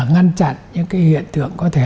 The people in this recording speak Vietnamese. ngăn chặn những cái hiện tượng có thể